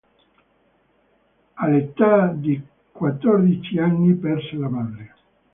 All'età di quattordici anni perse la madre.